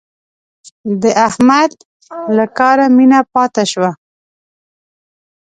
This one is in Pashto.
د احمد له کاره مينه ماته شوه.